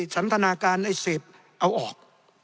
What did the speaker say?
สันทนาการไอ้เสพเอาออก